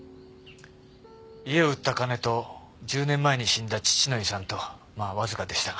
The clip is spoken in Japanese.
家を売った金と１０年前に死んだ父の遺産とまあわずかでしたが。